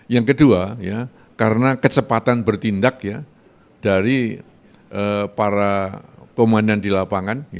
yang kedua ya karena kecepatan bertindak ya dari para komandan di lapangan